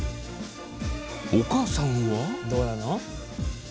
お母さんは？